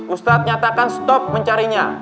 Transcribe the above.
ustadz nyatakan stop mencarinya